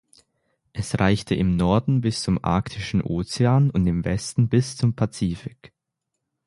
Es reichte im Norden bis zum arktischen Ozean und im Westen bis zum Pazifik.